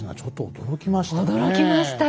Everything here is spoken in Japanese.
驚きましたよね。